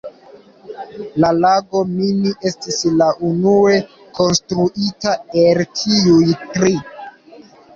La lago Mini estis la unue konstruita el tiuj tri.